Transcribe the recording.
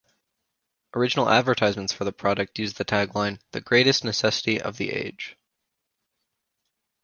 Original advertisements for the product used the tagline The greatest necessity of the age!